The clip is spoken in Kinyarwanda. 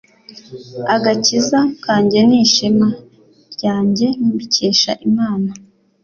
Agakiza kanjye n’ishema ryanjye mbikesha Imana